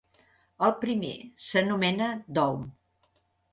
El primer s'anomena "doum".